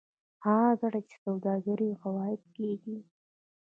هغه ګټه چې د سوداګر عواید کېږي